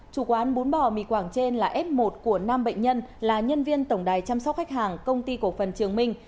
chủ quán bún bò mì quảng trên là f một của nam bệnh nhân là nhân viên tổng đài chăm sóc khách hàng công ty cổ phần trường minh